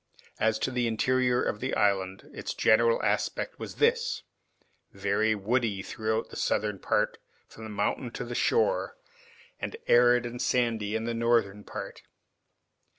As to the interior of the island, its general aspect was this, very woody throughout the southern part from the mountain to the shore, and arid and sandy in the northern part.